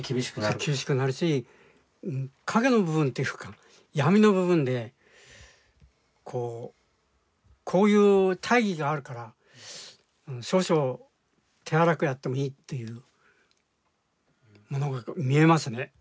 そう厳しくなるし陰の部分っていうか闇の部分でこうこういう大義があるから少々手荒くやってもいいっていうものが見えますね。